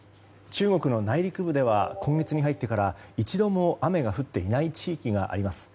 中国の内陸部では今月に入ってから一度も雨が降っていない地域があります。